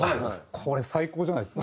これ最高じゃないですか？